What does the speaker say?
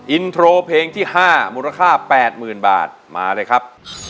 อินโทรเพลงที่ห้ามูลค่าแปดหมื่นบาทมาเลยครับ